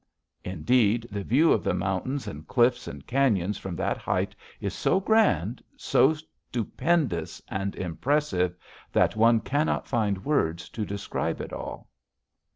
Indeed, the view of the mountains and cliffs and canyons from that height is so grand, so stupendous and impressive, that one cannot find words to describe it all.